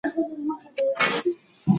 موزیلا یو نړیوال سیسټم دی چې ږغونه راټولوي.